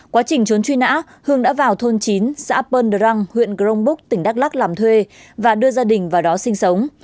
quá trình trốn truy nã hương đã vào thôn chín xã pendrang huyện grongbuk tỉnh đắk lắc làm thuê và đưa gia đình vào đó sinh sống